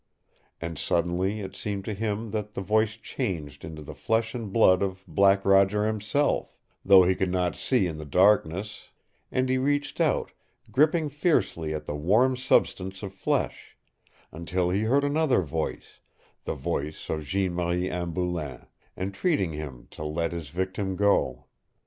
And suddenly it seemed to him that the voice changed into the flesh and blood of Black Roger himself, though he could not see in the darkness and he reached out, gripping fiercely at the warm substance of flesh, until he heard another voice, the voice of Jeanne Marie Anne Boulain, entreating him to let his victim go.